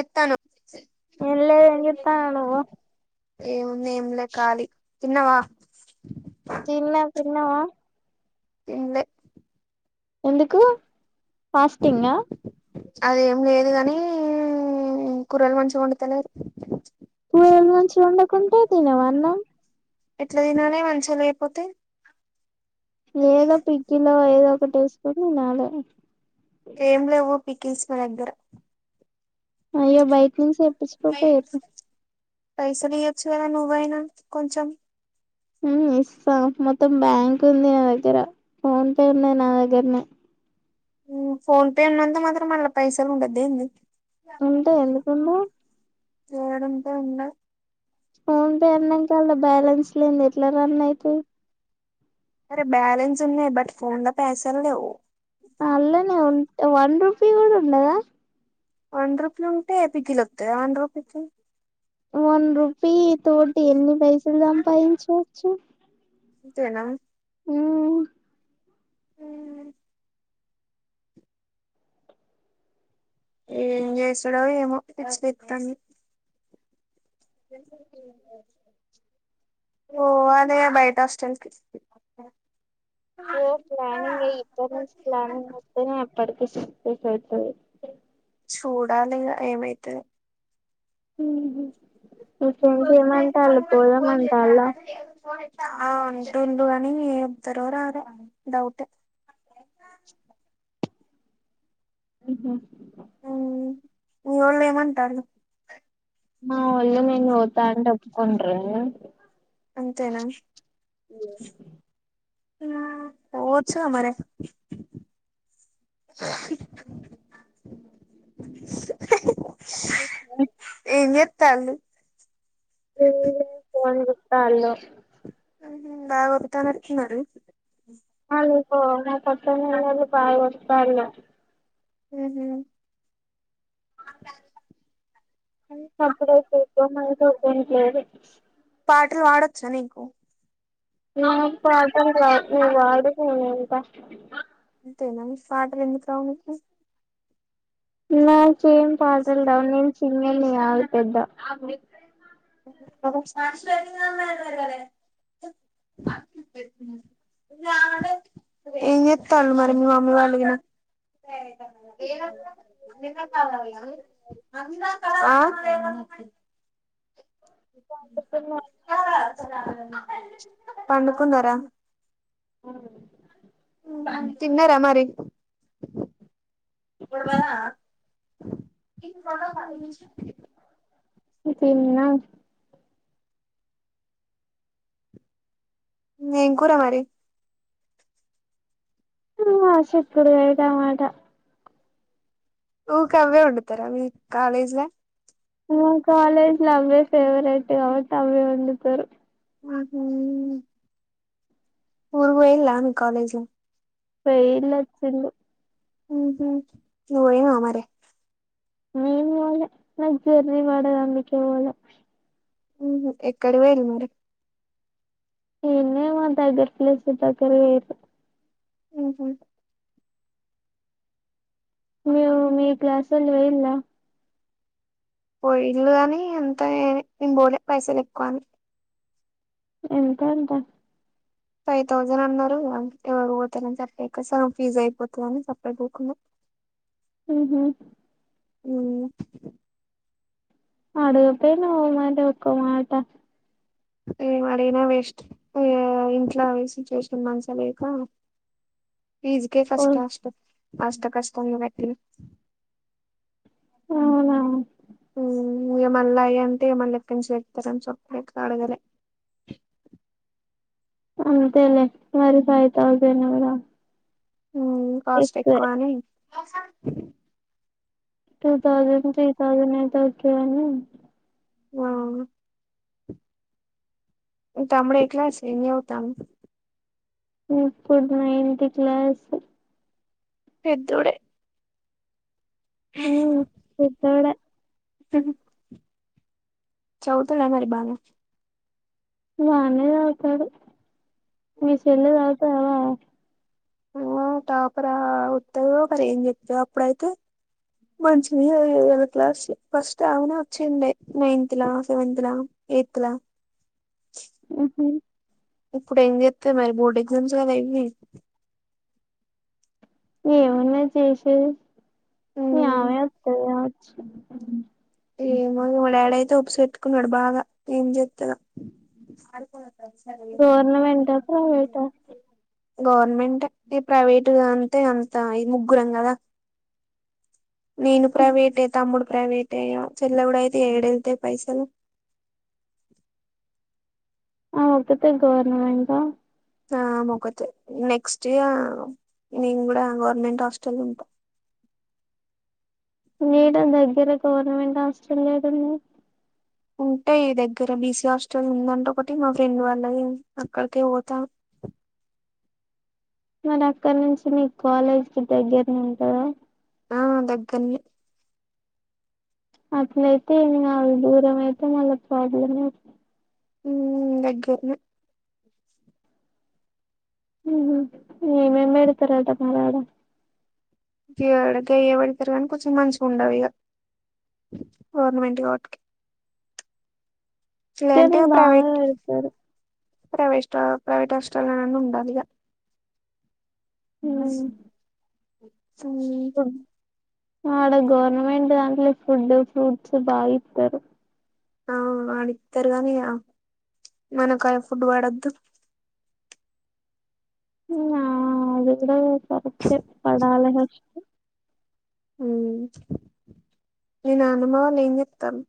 ఎత్తాను ఏం లేదు ఏం చెప్తాను నువ్వు ఏముంది ఏంలే ఖాలీ తిన్నవా తిన్నాం తిన్నవా తిన్లే ఎందుకు ఫాస్టింగ్ ఆ అదేం లేదు గాని కూరలు మంచిగా వండుతలేదు కూరలు మంచిగా ఉండకుంటే తినవా అన్నం ఎట్ల తినాలే మంచిగా లేకపోతే ఏదో పికిలో ఏదో ఒకటి వేసుకో నాలో ఏం లేవు పికిల్స్ నా దగ్గర అయ్యో బైకింగ్ సేప్ [inaudible] పైసల్ ఇయొచ్చు కదా నువ్వైనా కొంచం ఉ ఇస్త మొత్తం బ్యాంక్ ఉంది నా దగ్గర ఫోన్ పే ఉన్నది నా దగ్గరనే ఫోన్ పే ఉన్నంత మాత్రం అళ్ళ పైసల్ ఉండద్దా ఏందీ ఉంటయి ఎందుకుండవ్ ఏడుంటై ఉండయ్ ఫోన్పే అన్నంక అన్లా బ్ బ్యాలెన్స్ లేంది ఎట్ల రన్ అయితయి అరే బాలన్స్ ఉన్నయ్ బట్ ఫోన్ల పైసల్ లేవు అల్లనే ఉ వన్ రూపీ గుడా ఉండదా వన్ రూపీ ఉంటే పికిల్ వస్తదా వన్ రూపీకి వన్ రూపీ తోటి ఎన్ని పైసల్ సంపాదించావ్ చు ఇంతేనా ఉం ఏం చేసుడో ఏమో పిచ్చిలేత్తాంది ఓ అదే బయట హాస్టల్కి పో ప్లానింగ్ వెయ్యి ఇప్పటి నుంచి ప్లానింగ్ వేస్తేనే ప్పడికి సెట్ అయితే అయితది చూడాలి ఇగ ఏమైతదో ఉహు ఇంకేం చేయమంటాన్లు పోదాంఅంటాన్ల ఆ అంటుండు గని అత్తారో రారో డౌటే ఉహు మీఒళ్ళు ఏం అంటాన్లు మా ఒళ్ళు నేను పోతా అంట ఒప్పుకుంటర్కని అంతేనా ఉమ్ పోవచ్చుగా మరి ఏం జెత్ తలు ఫోన్ జుత్తన్లు బావ వస్తానట్ ఉన్నాడు [unintelligible] ఉహు అప్పుడ [unintelligible] పాటలు పాడొచ్చా నీకూ నాకు పాటలు రావు ను పడుకో నేన్ వింటా అంతేనా పాటలు ఎందుకు రావు నీకు నాకేం పాటలు రావు నేను సింగర్ణి కాదు పెద్ద ఏం చెత్తాళ్లు మరి మీ మమ్మీ వాళ్ళగిన ఆ [unintelligible] ఆ పండకుంన్న ర ఉ తిన్నార మరి బుడు బా [inaudible] ఇ తిన్నము ఏం కూర మరి ఆ చిక్కుడుకాయ టమాట ఊకవ్వే ఉండుతరా మీ కాలేజిల ఉ కాలేజ్ ల అవే ఫవరెట్ కాబట్టి అవే వండుతరు ఉ హ్ ఊరు పోయింల్ల మీ కాలేజ్ పెండ్లు అచ్చిండు ఊ హు నువ్ పోయినవ మరి మేం పోలే జర్నీ పడది అందుకె పోలే ఊ ఎక్కడివేరు మరి ఈన్నే మా దగ్గర ప్లేస్కు దగ్గర వేయరు ఉ హు నువ్వు మీ క్లాస్ ళ్ళు పోయిండ్రా పోయింల్లు గని అంత నేనే నేను బోలే పైసలు ఎక్కువ అని ఎంత ఎంత ఫై తౌజన్ అన్నారు అ ఎవరు పోతానంటే ఇంక సగం ఫీజ్ అయిపోతదని సపరేట్ బుక్ న హు హు అడుగ పెనవ్ ఒ మాట ఒక్క మాట ఎమడిగిన వేస్ట్ ఇంట్ల వే సిట్యుయేషన్ మంచిగ లేక ఫీజుకె ఫస్ట్ హాస్ట అష్టకష్టాలు వెట్టి అవున హు ఇగ మళ్ళా అయ అంటే మళ్ళ ఎక్కంచి తేత్తరని సప్డేకా అడగలే అంతేలే మరి ఫైవ్ తౌజండ్ కద మ్ కాస్ట్ ఎక్కువని టూ తౌసెండ్ త్రీ తౌసెన్ అయితే ఒకే గని అవును మీ తమ్ముడు ఎ క్లాస్ ఏం చదువుతం ఇప్పుడు నైన్త్ క్లాస్ పెద్దొడే ఉ ఇక్కడే చవుతుల మరి బాగా బానే రావుతారు విషేలే రావుత ఆ టాపర్ వత్తందో ఒకరి ఏం చెప్పారు అప్పుడైతే మంచిది క్లాస్ ఫస్ట్ ఆవునా వచ్చిండే నైన్త్ లా సెవెంతత్ లా ఎయిత్ లా ఇప్పుడు ఏం చెస్తాయి మరి బోర్డు ఎగ్జామ్స్ కదా ఇవి ఏమన్నా చేసేది న మ్మ్ ఆమె వస్తుంది వచ్చ ఏమో మా డాడీ అయితే ట్టుకున్నాడు బాగా ఏం చేస్తంద ఆడుకో గవర్నమెంట్ ప్రైవేట్ గవర్నమెంట్ అంటే ప్రైవేట్ అంటే అంత ముగ్గురం కదా నేను ప్రైవేట్ తమ్ముడు ప్రైవేట్ చెల్ల ఉడయితే ఎడతే పైసలు ఆతతే గవర్నమెంట్ ఆ మక నెక్స్ట్ ఇ నేను కూడా గవర్నమెంట్ హాస్టల్ ఉంటా నేడం దగ్గర గవర్నమెంట్ హాస్ట్రలయాలుంది ఉంటాయి దగ్గర బీసీ హాస్టల్ ఉందంటే ఒకటి మా ఫ్రెండ్ వాళ్ళ అక్కడికే పోతాం మరి అక్కడ నుంచి మీ కాలేజ్ కి దగ్గరని ఉంటందా ఆ దగ్గని అలా అయితేని దూరం అతే మ ప్రోబ్లమ్ ఉ దగ్గన్న న మేమ్ మెడతారద మారడ ఇడగా అయ్య పడతారు కానీ కొంచెం మంచిగా ఉండవు ఇక గవర్నమెంట్ వాటికి ఎ ప్రైవేట్ బాగాతారు ప్రైవేట్ ప్రైవేట్ హాస్పిటల్ ఉండాలిగా అ ఉ స ఆడ గవర్నమెంట్ దాంట్లో ఫుడ్డు ఫ్రూట్స్ బాగా ఇస్తారు ఆ అడితారు గాని మనకు ఫుడ్ పడొద్దు అది కూడా పరతే పడాాల ఉ నేను అనుభవాలు ఏం చెప్తాను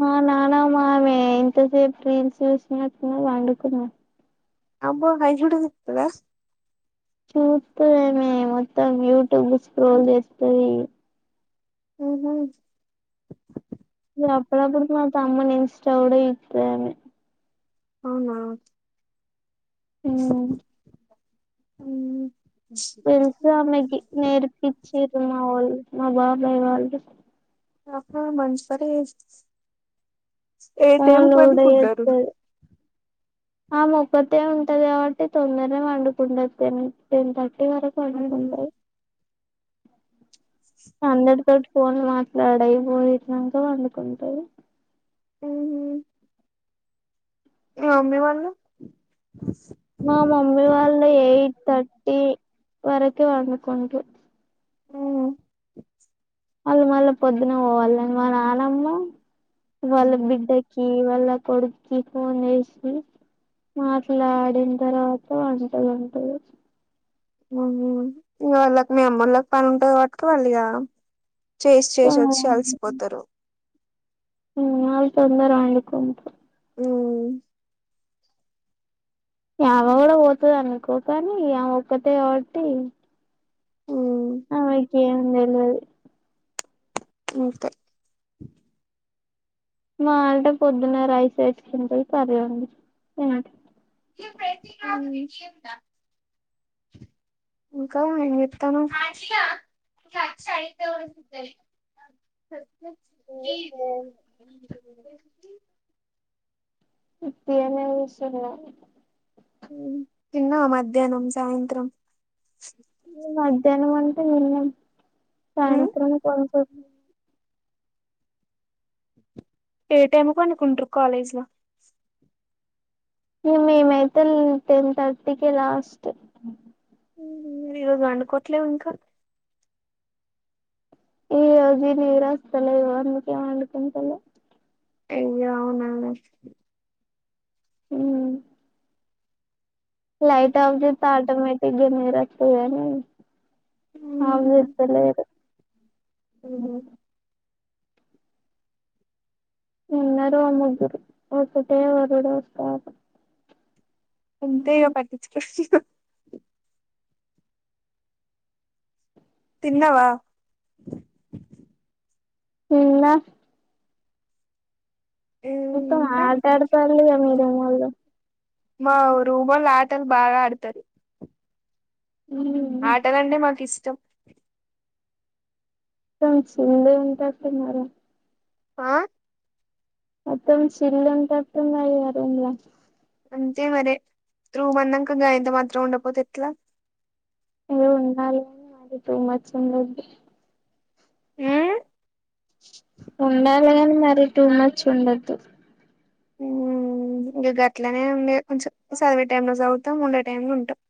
మా నానా మామెే ఇంతసేపు రెల్స్ చూసినట్టున్నారు వండుకున్నాం అబ్బో హైజడి ఇతుద చూస్తూ ఏమ మొత్తం యూట్యూబ్ స్క్రోల్ చేస్తయి హ అప్పులా కుడుకు అత అమ్మ నెచ కూడా కూడా ఇత అవునావును ఉమ్ అ తెలుసు ఆమెకి నేర్పి మా వాళ్ళు మా బాబాయి వాళ్ళు ఆహా ఆహా మంచిపనే ఏతేం ఫోన్లు కొని కూడా పుగారు చేత్తది ఆమె ఒకటే ఉంటాది కాబట్టి తొందర పడుకుంటాది తిని టెన్ థర్టీ [unintelligible] ఊహూ అంటారు అందటితోటి ఫోన్లు మాట్లాడయి ఇప్పుడూ ఇచ్చినంక పండుకుంటాడు. హ్ హు మీ మమ్మీ వాళ్ళు బస్ [unintelligible] మా మమ్మీ వాళ్ళు ఎయిట్ థర్టీ వరకే వండుకుంటారు. ఉమ్ ఆళ్ళు మల్లా పొద్దున పోవాలే మా నానమ్మ వాళ్ళ బిడ్డకి కి వాళ్ళ కొడుక్కి ఫోన్ చేసి మాట్లాడిన తర్వాత ఇగ వంటిది వంటిది ఇగ వాళ్ళకు మీ అమ్మోళ్ళకి పని ఉంటాది. కాబట్టి పండుకోవళిగా చేసి చేసి వో చ్చి అలసిపోతారు వాళ్ళు తొందర పండుకుంటారు. హూ మా అవ్వ కూడా పోతది అనుకో కాని ఆమే ఒక్కతే కాబట్టి ఉమ్ ఏముంది ఏంలేదు ఓకే మా అంటే పొద్దున్న రైస్ పెట్టుకుంటడి కర్రి వండు హు ఉ ఇంకా ఏం చెత్తన్నావ్ ఇప్పుడే నేన్ కూసున్న తిన్నావా మధ్యాహ్నం సాయంత్రం ఇగ మధ్యాహ్నం అంత తిన్న ఉమ్ సాయంత్రం కొంచెం ఏ టైమ్ పండుకుంటారు కాలేజి ల ఇగ మేమైతే టెన్ థర్టీకే లాస్ట్ ఈ రోజు వండుకోవట్లేవ్ ఇంకా ఈ రోజు ఈ నీద్రా ఆస్తలేదు అందుకే వండుకుంటలే అయ్య అవునా ఉమ్ లైట్ అపూజేసి పాటలు పేట్ కొంచెం నిద్ర అత్తది అని అవు ఓత్త లేదు ఉమ్ హా నేను ఓ ముగ్గురు ఒకటే [unintelligible] అంతే ఇగ పట్టిచ్చు కోర్ ఇగ తిన్నావా తిన్న మొత్తం ఇంకా ఆట ఆడుతళ్ళుగా మీర్ మల్ల మల్ బాగా ఆడతారు ఉ ఆటలంటే మాకు ఇష్టం చింద ఉంటాన్నారు ఆ మొత్తం చిల్ వుంటంట ఉంది కదా రూమ్లో అంతే మర రూమన్నాక గాయంత మాత్రం ఉండపోతే ఎట్లా ఏది ఉండాలిని మది టూ మచ్చ ఉండదు ఆ ఉండాలిగాని మరి టూ మర్చ్ి ఉండద్దు ఇంక గట్లనే కొంచెం చదివే టై లో చదువుతాం ఉండే టైమ్ లో ఉంటాం